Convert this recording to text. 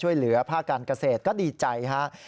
ช่วยเหลือภาคการเกษตรก็ดีใจครับ